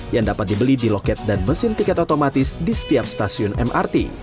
yang dapat dibeli di loket dan mesin tiket otomatis di setiap stasiun mrt